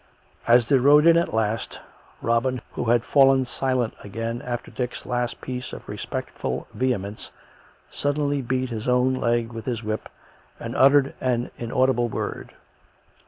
Asp they rode in at last, Robin, who had fallen silent again after Dick's last piece of respectful vehemence, suddenly beat his own leg with his whip and uttered an inaudible word.